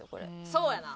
そうやな。